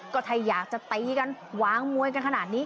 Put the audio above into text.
ใครอยากจะเต๊ะกันว้างมวยกันขนาดนี้